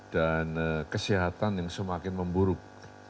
dan kesehatan yang semakin memburuk